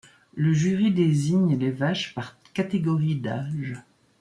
Le jury désigne les vaches par catégorie d'âge.